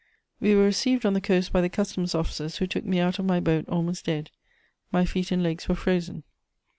"We were received on the coast by the customs officers, who took me out of my boat almost dead; my feet and legs were frozen.